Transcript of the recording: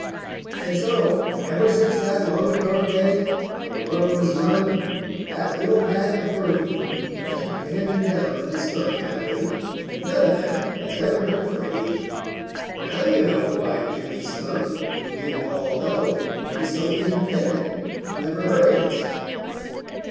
And so, ever since that long ago day, when the world was young, that little bag of perfume has been handed down in the Skunk family, and none of them has ever been afraid. Now you know why Jimmy Skunk, whom you all know, is so independent and never hurries."